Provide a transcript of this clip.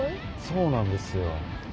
そうなんですよ。